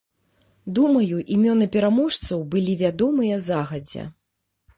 Думаю, імёны пераможцаў былі вядомыя загадзя.